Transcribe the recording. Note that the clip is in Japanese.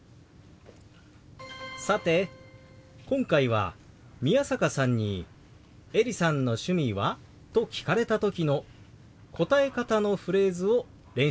さて今回は宮坂さんに「エリさんの趣味は？」と聞かれた時の答え方のフレーズを練習してきました。